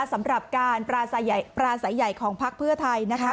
สำหรับการปราศัยใหญ่ของพักเพื่อไทยนะคะ